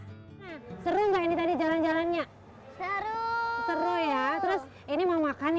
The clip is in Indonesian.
hehehe berarti tota n trunk out oldu dulu extra nyepa kan